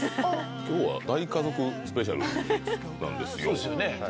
きょうは大家族スペシャルなそうですよね。